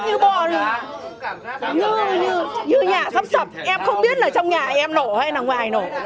như như như nhà sắp sập em không biết là trong nhà em nổ hay là ngoài nổ